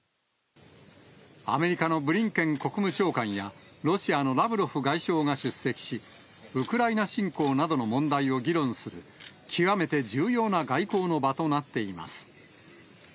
アメリカのブリンケン国務長官やロシアのラブロフ外相が出席し、ウクライナ侵攻などの問題を議論する、極めて重要な外交の場となっています。